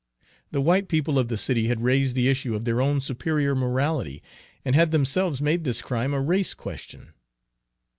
The white people of the city had raised the issue of their own superior morality, and had themselves made this crime a race question.